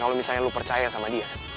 dan kalau misalnya lo percaya sama dia